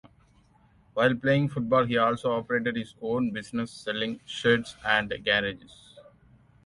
While playing football, he also operated his own business selling sheds and garages.